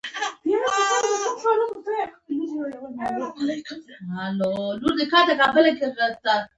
کارګر ګوند خپل موجودیت اعلان کړ.